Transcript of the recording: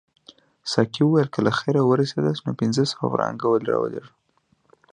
ساقي وویل که له خیره ورسیداست نو پنځه سوه فرانکه راولېږه.